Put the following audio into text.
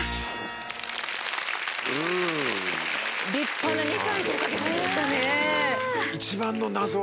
立派な２歳５か月でしたね。